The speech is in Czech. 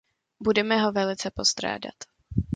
Budeme ho velice postrádat.